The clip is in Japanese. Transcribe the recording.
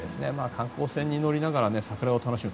観光船に乗りながら桜を楽しむ。